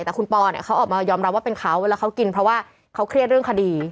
แต่คุณปอเนี่ยเขาออกมายอมรับว่าเป็นเขาเวลาเขากินเพราะว่าเขาเครียดเรื่องคดี